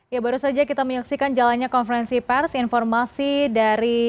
ya baru saja kita menyaksikan jalannya konferensi pers informasi dan informasi